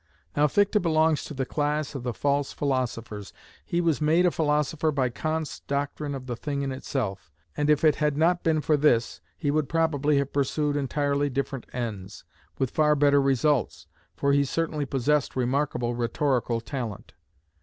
Now Fichte belongs to the class of the false philosophers. He was made a philosopher by Kant's doctrine of the thing in itself, and if it had not been for this he would probably have pursued entirely different ends, with far better results, for he certainly possessed remarkable rhetorical talent.